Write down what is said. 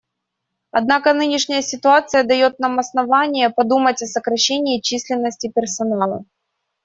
Однако нынешняя ситуация дает нам основания подумать о сокращении численности персонала.